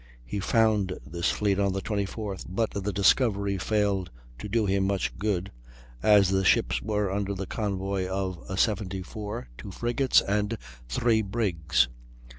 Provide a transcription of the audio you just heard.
He found this fleet on the 24th, but the discovery failed to do him much good, as the ships were under the convoy of a 74, two frigates, and three brigs.